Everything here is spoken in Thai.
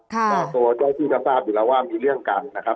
ตัวตัวที่จะทราบอยู่แล้วว่ามีเรื่องกันนะครับ